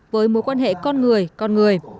với mối quan hệ con người con người